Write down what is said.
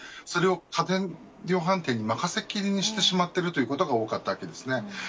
それを家電量販店に任せきりにしてしまっていることが多かったんです。